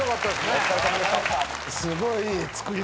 お疲れさまでした。